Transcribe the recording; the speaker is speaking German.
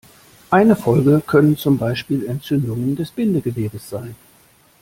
Eine Folge können zum Beispiel Entzündungen des Bindegewebes sein.